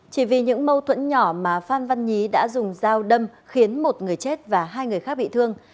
chỉ vì những mâu thuẫn nhỏ mà phan văn nhí đã dùng dao đâm khiến một người chết và hai người khác bị thương